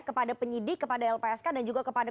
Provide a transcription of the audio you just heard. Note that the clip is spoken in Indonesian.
kepada penyidik kepada lpsk dan juga kepada